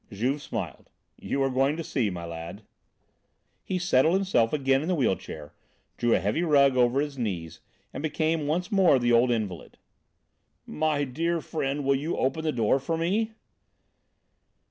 Juve smiled. "You are going to see, my lad." He settled himself again in the wheel chair, drew a heavy rug over his knees and became once more the old invalid. "My dear friend, will you open the door for me?"